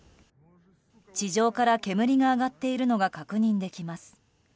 地上から煙が上がっているのが確認できます。